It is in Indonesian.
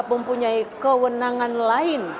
mempunyai kewenangan lain